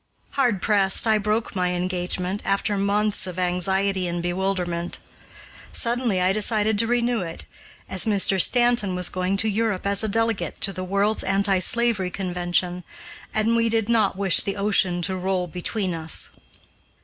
Hard pressed, I broke my engagement, after months of anxiety and bewilderment; suddenly I decided to renew it, as Mr. Stanton was going to Europe as a delegate to the World's Anti slavery Convention, and we did not wish the ocean to roll between us.